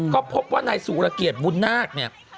ก็พบว่าในสุรเกียจวุณนาค